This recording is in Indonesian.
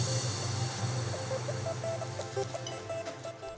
di mana semua pindangnya dikirim dengan sebuah perut